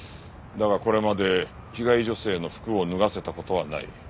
だがこれまで被害女性の服を脱がせた事はない。